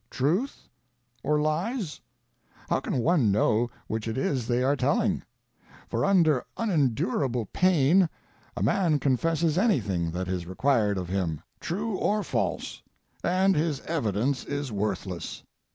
Truth? Or lies ? How can one know which it is they are telling ? For under unendurable pain a man confesses anything that is required of him, true or false, and his evidence is worthless.